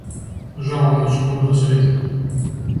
Жалам но ќе мора да си одите.